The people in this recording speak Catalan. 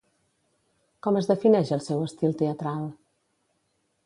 Com es defineix el seu estil teatral?